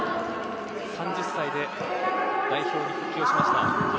３０歳で代表に復帰をしました。